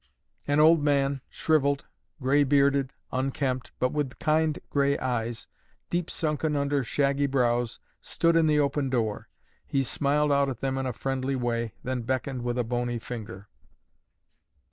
An old man, shriveled, gray bearded, unkempt, but with kind gray eyes, deep sunken under shaggy brows, stood in the open door. He smiled out at them in a friendly way, then beckoned with a bony finger.